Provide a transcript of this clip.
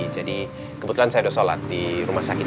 jadi kebetulan saya udah sholat di rumah sakit